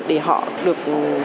để họ được